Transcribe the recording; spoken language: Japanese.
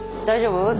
大丈夫？